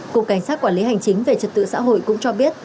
cục cảnh sát quản lý hành chính về trật tự xã hội cũng cho biết